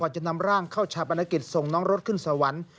จะนำร่างเข้าชาปนกิจส่งน้องรถขึ้นสวรรค์